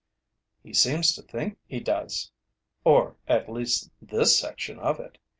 "He seems to think he does or at least this section of it.